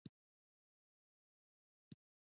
د زیرې صادرات لرو؟